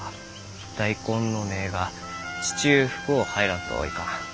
大根の根が地中深う入らんといかん。